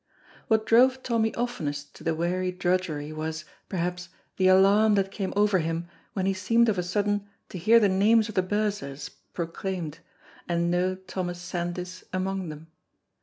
What drove Tommy oftenest to the weary drudgery was, perhaps, the alarm that came over him when he seemed of a sudden to hear the names of the bursars proclaimed and no Thomas Sandys among them.